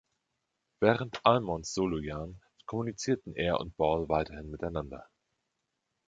Während Almonds Solojahren kommunizierten er und Ball weiterhin miteinander.